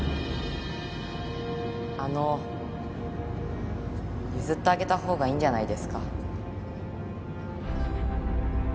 あの譲ってあげたほうがいいんじゃないですか？